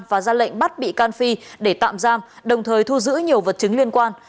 và ra lệnh bắt bị can phi để tạm giam đồng thời thu giữ nhiều vật chứng liên quan